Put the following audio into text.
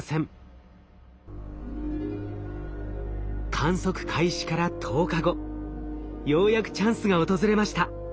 観測開始から１０日後ようやくチャンスが訪れました。